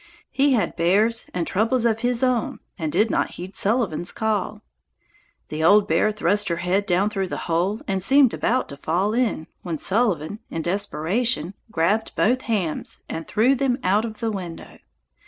He had bears and troubles of his own and did not heed Sullivan's call. The old bear thrust her head down through the hole and seemed about to fall in, when Sullivan in desperation grabbed both hams and threw them out of the window.